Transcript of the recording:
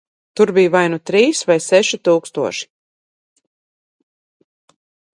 Tur bija vai nu trīs, vai seši tūkstoši.